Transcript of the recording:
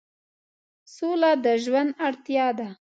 سوله د ژوند اړتیا ده.